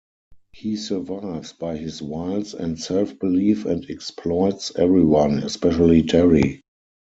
He survives by his wiles and self-belief, and exploits everyone, especially Terry.